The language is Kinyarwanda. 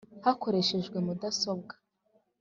hakoreshejwe mudasobwa,